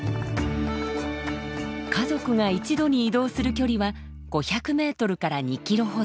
家族が１度に移動する距離は５００メートルから２キロほど。